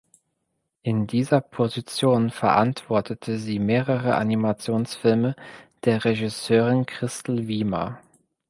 In dieser Position verantwortete sie mehrere Animationsfilme der Regisseurin Christl Wiemer.